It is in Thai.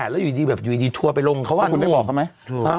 แล้วอยู่ดีแบบอยู่ดีทั่วไปลงเขาว่าว่าคุณได้บอกเขาไหมถูก